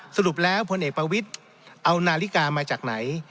สรุปแล้วพลเอกประวิทย์เอานาฬิกามาจากไหน